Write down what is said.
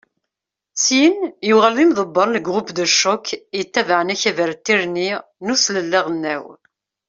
Syin, yuɣal d imḍebber n "Le groupe de choc" yettabaɛen akabar n Tirni n uslelli aɣelnaw.